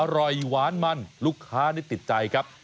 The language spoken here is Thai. อร่อยหวานมันลูกค้านี่ติดใจครับ